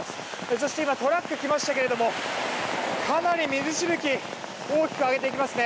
そして今、トラックが来ましたけどかなり水しぶきを大きく上げていきますね。